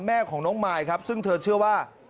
แม่ของน้องมายครับซึ่งเธอเชื่อว่า